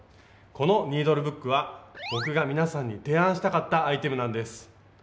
このニードルブックは僕が皆さんに提案したかったアイテムなんです。